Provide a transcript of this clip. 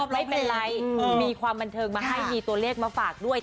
ไม่เป็นไรมีความบันเทิงมาให้มีตัวเลขมาฝากด้วย